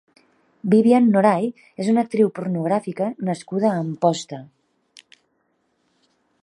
Bibian Norai és una actriu pornogràfica nascuda a Amposta.